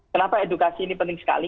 kenapa edukasi ini penting sekali